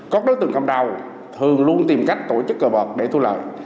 các đối tượng cầm đào thường luôn tìm cách tổ chức cơ bọc để thu lợi